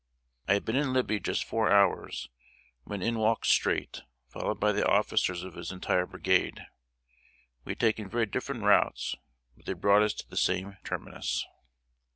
I had been in Libby just four hours, when in walked Streight, followed by the officers of his entire brigade. We had taken very different routes, but they brought us to the same terminus.